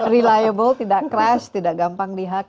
reliable tidak crash tidak gampang dihack